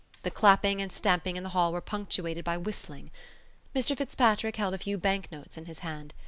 The clapping and stamping in the hall were punctuated by whistling. Mr Fitzpatrick held a few banknotes in his hand.